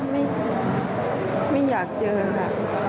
ไม่อยากเจอค่ะ